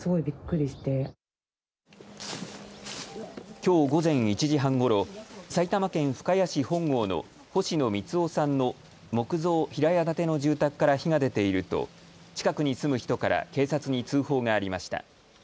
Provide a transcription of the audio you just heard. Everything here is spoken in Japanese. きょう午前１時半ごろ埼玉県深谷市本郷の星野光男さんの木造平屋建ての住宅から火が出ていると近くに住む人から警察に通報がありました。